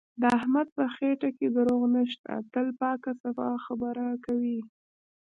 د احمد په خټه کې دروغ نشته، تل پاکه صفا خبره کوي.